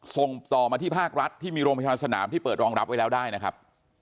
ส่งต่อมาที่ภาครัฐที่มีโรงพยาบาลสนามที่เปิดรองรับไว้แล้วได้นะครับ